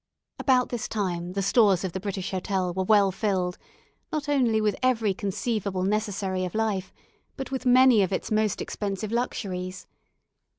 About this time the stores of the British Hotel were well filled, not only with every conceivable necessary of life, but with many of its most expensive luxuries.